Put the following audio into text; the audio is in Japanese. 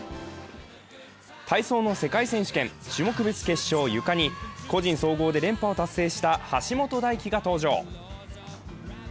体操の世界選手権、種目別決勝・ゆかに個人総合で連覇を達成した橋本大輝が登場。